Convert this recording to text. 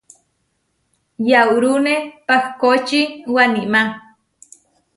Yaurúne pahkóči Waníma.